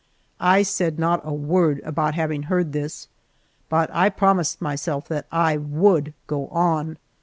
I said not a word about having heard this, but I promised myself that I would go on.